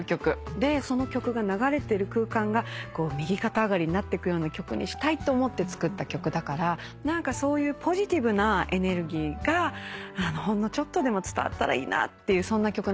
でその曲が流れてる空間が右肩上がりになってくような曲にしたいと思って作った曲だからそういうポジティブなエネルギーがほんのちょっとでも伝わったらいいなっていう曲。